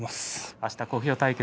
あしたは小兵対決